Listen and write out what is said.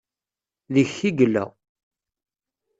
Deg-k i yella.